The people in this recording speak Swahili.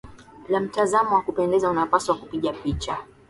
la mtazamo wa kupendeza unapaswa kupiga picha